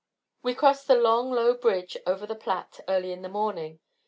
_"] We crossed the long, low bridge over the Platte, early in the morning.